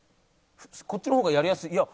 こっちの方がやりやすいいや。